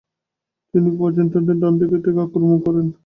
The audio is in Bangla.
তিনি বাইজেন্টাইনদেরকে ডানদিক থেকে আক্রমণ করেন।